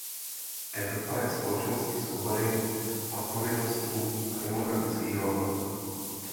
Evropa je společenství svobody, odpovědností a demokratických hodnot.